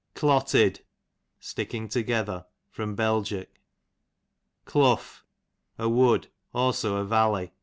Clotted, sticking together. Bel. Clough, a wood; also a valley.